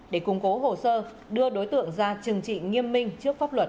để củng cố hồ sơ đưa đối tượng ra trừng trị nghiêm minh trước pháp luật